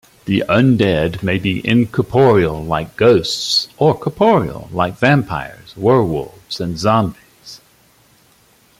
The undead may be incorporeal like ghosts, or corporeal like vampires, werewolves, and zombies.